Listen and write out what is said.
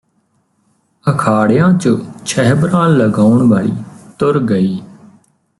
ਅਖਾੜਿਆਂ ਚ ਛਹਿਬਰਾਂ ਲਗਾਉਣ ਵਾਲੀ ਤੁਰ ਗਈ